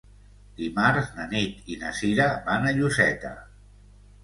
Dimarts na Nit i na Sira van a Lloseta.